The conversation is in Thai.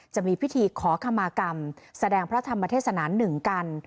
จะมีพิธีขอขมากรรมแสดงพระธรรมเทศนาหนึ่งกัน